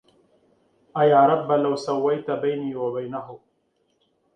أيا رب لو سويت بيني وبينه